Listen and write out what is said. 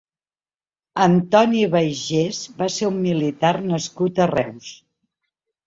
Antoni Baiges va ser un militar nascut a Reus.